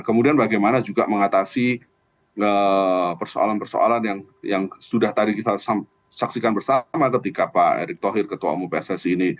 kemudian bagaimana juga mengatasi persoalan persoalan yang sudah tadi kita saksikan bersama ketika pak erick thohir ketua umum pssi ini